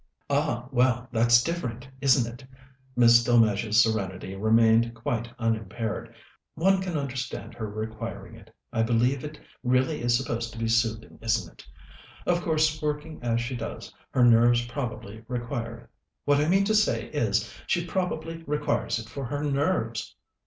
"Ah, well, that's different, isn't it?" Miss Delmege's serenity remained quite unimpaired. "One can understand her requiring it. I believe it really is supposed to be soothing, isn't it? Of course, working as she does, her nerves probably require it. What I mean to say is, she probably requires it for her nerves."